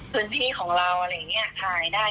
พื้นที่ของเราอะไรอย่างนี้ถ่ายได้